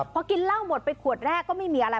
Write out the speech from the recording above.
พอกินเหล้าหมดไปขวดแรกก็ไม่มีอะไร